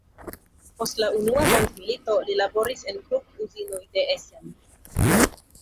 Post la unua mondmilito, li laboris en Krupp-uzinoj de Essen.